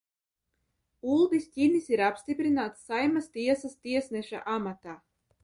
Uldis Ķinis ir apstiprināts Saeimas tiesas tiesneša amatā.